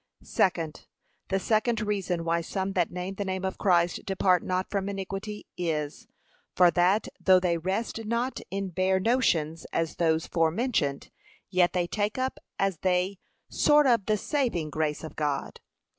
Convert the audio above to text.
Second, The second reason, why some that name the name of Christ, depart not from iniquity, is, for that, though they rest not in bare notions, as those forementioned, yet they take up as they, short of the saving grace of God.